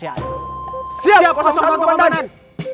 siap satu kompeten